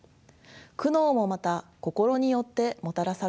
「苦悩」もまた「心」によってもたらされるのです。